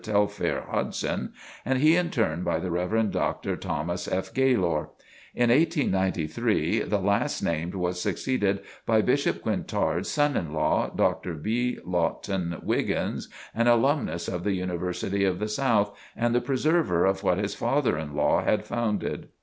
Telfair Hodgson, and he in turn by the Rev. Dr. Thomas F. Gailor. In 1893 the last named was succeeded by Bishop Quintard's son in law, Dr. B. Lawton Wiggins, an alumnus of The University of the South, and the preserver of what his father in law had founded.